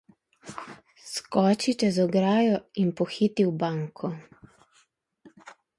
Skoči čez ograjo in pohiti v banko.